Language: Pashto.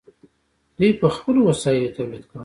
دوی په خپلو وسایلو تولید کاوه.